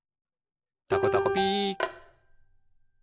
「たこたこピー」